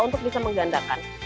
untuk bisa menggandakan